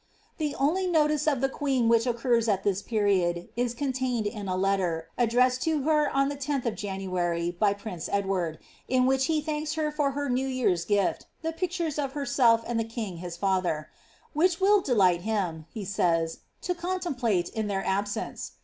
The only notice of the queen which occurs at this period, is containeil in a letter, addresse<] to her on the 10th of January, by prince Edward, in which he thanks her for her New year's gift, the pictures of herself and the kin^ his father; ^ which will delight him," he says,^' to contem plate in their absence."